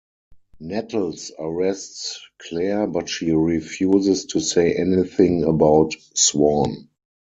Nettles arrests Claire but she refuses to say anything about Swan.